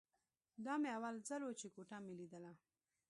دا مې اول ځل و چې کوټه مې ليدله.